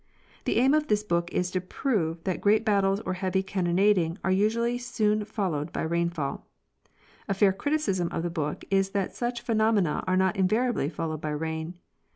The aim of this book is to prove that great battles or heavy cannonading are usually soon fol lowed by rainfall. A fair criticism of the book is that such phenomena are not invariably followed by rain.